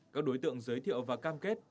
các đối tượng giới thiệu và cam kết